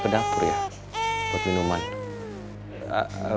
terima kasih nanti buckle up my dear